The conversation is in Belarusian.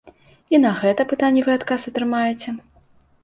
І на гэта пытанне вы адказ атрымаеце.